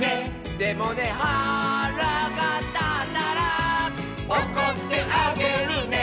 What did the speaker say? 「でもねはらがたったら」「おこってあげるね」